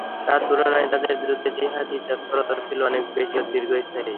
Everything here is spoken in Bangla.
তার তুলনায় তাদের বিরুদ্ধে জিহাদী তৎপরতা ছিল অনেক বেশি ও দীর্ঘস্থায়ী।